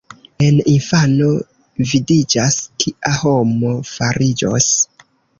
En infano vidiĝas, kia homo fariĝos.